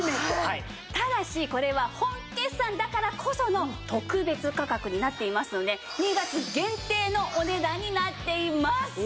ただしこれは本決算だからこその特別価格になっていますので２月限定のお値段になっています。